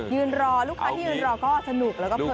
ยืนรอลูกค้าที่ยืนรอก็สนุกแล้วก็เพลิน